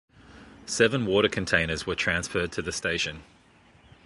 Seven water containers were transferred to the station.